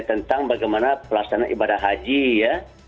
tentang bagaimana pelaksanaan ibadah haji ya